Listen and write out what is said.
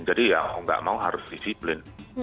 jadi ya kalau nggak mau harus disiplin